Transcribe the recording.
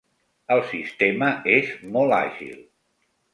El sistema és molt àgil.